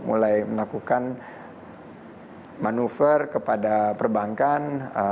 mulai melakukan manuver kepada perbankan